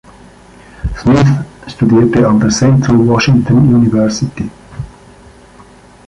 Smith studierte an der Central Washington University.